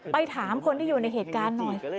ไปถามคนที่อยู่ในเหตุการณ์หน่อย